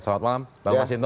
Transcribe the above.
selamat malam bang mas hinton